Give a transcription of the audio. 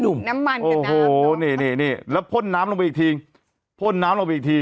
ุ่มน้ำมันกันนะโอ้โหนี่นี่แล้วพ่นน้ำลงไปอีกทีพ่นน้ำลงไปอีกที